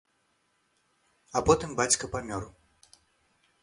А потым бацька памёр.